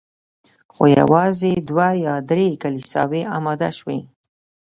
خو یوازي دوه یا درې کلیساوي اماده سوې